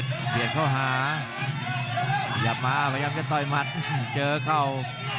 จริงเทศเดียนเข้าหาหยับมาพยายามจะต่อยมัดเจอเข้า